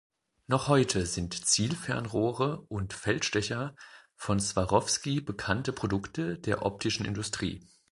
Noch heute sind Zielfernrohre und Feldstecher von Swarovski bekannte Produkte der optischen Industrie.